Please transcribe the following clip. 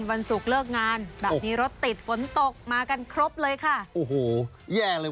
วันศุกร์เลิกงานแบบนี้รถติดฝนตกมากันครบเลยค่ะโอ้โหแย่เลย